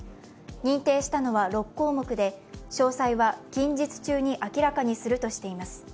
認定したのは６項目で、詳細は近日中に明らかにするとしています。